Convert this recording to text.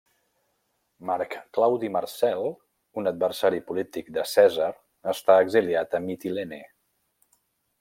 Marc Claudi Marcel, un adversari polític de Cèsar, està exiliat a Mitilene.